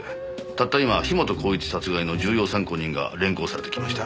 たった今樋本晃一殺害の重要参考人が連行されてきました。